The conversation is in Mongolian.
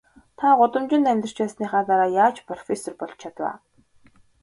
Та гудамжинд амьдарч байсныхаа дараа яаж профессор болж чадав аа?